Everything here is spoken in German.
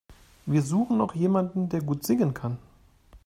Wir suchen noch jemanden, der gut singen kann.